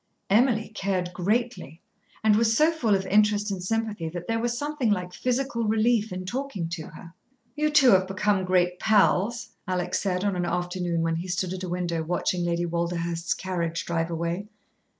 Emily cared greatly, and was so full of interest and sympathy that there was something like physical relief in talking to her. "You two have become great pals," Alec said, on an afternoon when he stood at a window watching Lady Walderhurst's carriage drive away.